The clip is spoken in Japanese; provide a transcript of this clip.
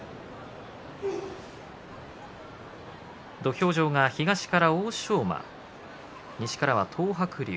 土俵上は東からの欧勝馬西からは東白龍。